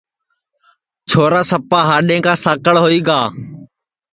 چھورا سپا ہاڈؔیں کا ساکݪ ہوئی گا